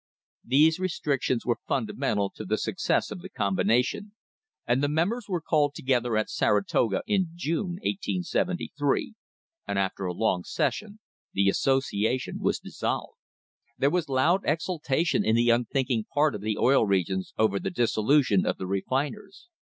These restrictions were fundamental to the success of the combina tion, and the members were called together at Saratoga in June, 1873, and after a long session the association was dissolved. There was loud exultation in the unthinking part of the Oil Regions over the dissolution of the refiners.